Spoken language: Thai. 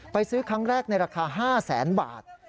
ไปซื้อครั้งแรกในราคา๕๐๐๐๐๐บาท